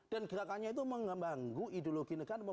dan gerakannya itu mengganggu ideologi negara